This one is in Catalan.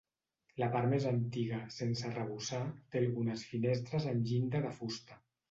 La part més antiga, sense arrebossar, té algunes finestres amb llinda de fusta.